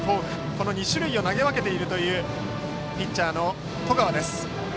この２種類を投げ分けているピッチャーの十川。